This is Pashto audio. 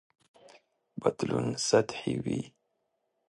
بدلون سطحي وي.